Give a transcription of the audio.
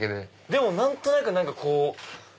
でも何となくこう。